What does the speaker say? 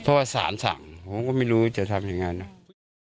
เพราะว่าสารสั่งผมก็ไม่รู้จะทำยังไงนะ